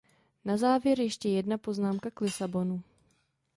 Na závěr ještě jedna poznámka k Lisabonu.